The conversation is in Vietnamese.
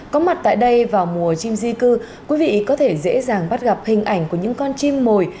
có mặt tại đây vào mùa chim di cư quý vị có thể dễ dàng bắt gặp hình ảnh của những con chim mồi